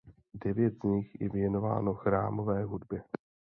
Devět z nich je věnováno chrámové hudbě.